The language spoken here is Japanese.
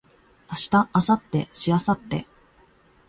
明日明後日しあさって